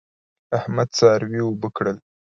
احمد څاروي اوبه کړل.